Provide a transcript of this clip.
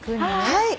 はい。